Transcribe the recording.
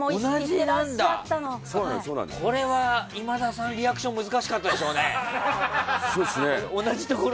これは今田さん、リアクション難しかったでしょうね。